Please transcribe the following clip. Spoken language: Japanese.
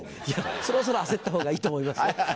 いやそろそろ焦ったほうがいいと思いますよ。